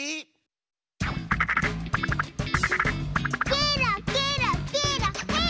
ケロケロケロヘイ！